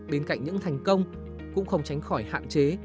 bên cạnh những thành công cũng không tránh khỏi hạn chế